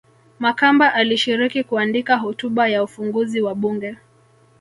Makamba alishiriki kuandika hotuba ya ufunguzi wa bunge